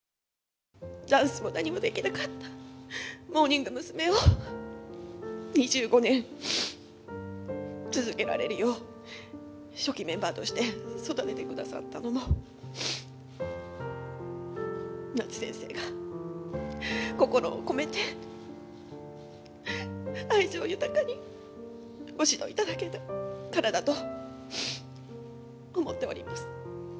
ダンスも何もできなかったモーニング娘。を、２５年、続けられるよう、初期メンバーとして育ててくださったのも、夏先生が心を込めて、愛情豊かにご指導いただけたからだと思っております。